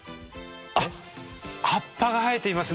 あっ葉っぱが生えていますね。